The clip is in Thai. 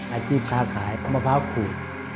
อาชีพค้าขายมะพร้าวขูด